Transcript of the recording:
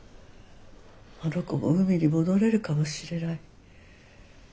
あの子も海に戻れるかもしれない。